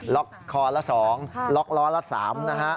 คอละ๒ล็อกล้อละ๓นะฮะ